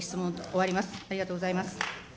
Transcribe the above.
ありがとうございます。